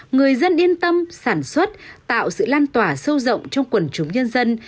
người dân yên tâm sản xuất tạo sự lan tỏa sâu rộng trong quần chúng nhân dân